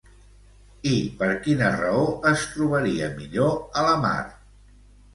I per quina raó es trobaria millor a la mar?